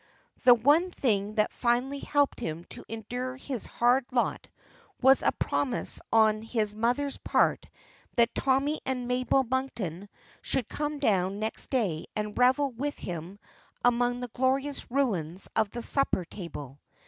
The one thing that finally helped him to endure his hard lot was a promise on his mother's part that Tommy and Mabel Monkton should come down next day and revel with him among the glorious ruins of the supper table.